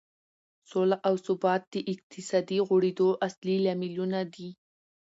سوله او ثبات د اقتصادي غوړېدو اصلي لاملونه دي.